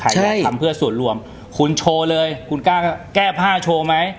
ใช่ทำเพื่อส่วนรวมคุณโชว์เลยคุณกล้าแก้ผ้าโชว์ไหม